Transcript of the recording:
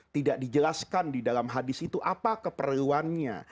tidak dijelaskan di dalam hadis itu apa keperluannya